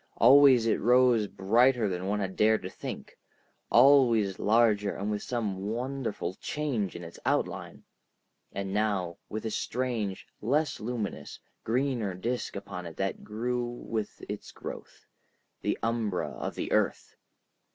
Always it rose brighter than one had dared to think, always larger and with some wonderful change in its outline, and now with a strange, less luminous, greener disk upon it that grew with its growth, the umbra of the earth.